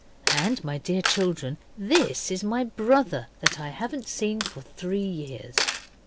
And, my dear children, this is my brother that I haven't seen for three years.